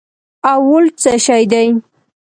او ولټ څه شي دي